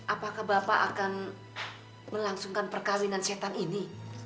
apakah bapak akan melangsungkan perkawinan setan ini